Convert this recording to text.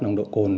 nồng độ cồn